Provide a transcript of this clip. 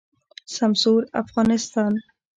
سمسور افغانستان